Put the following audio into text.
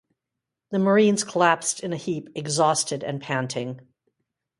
The marines collapsed in a heap, exhausted and panting.